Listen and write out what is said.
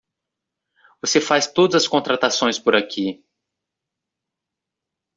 Você faz todas as contratações por aqui.